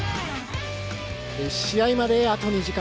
試合まであと２時間。